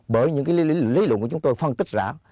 bởi những lý luận của chúng tôi phân tích rõ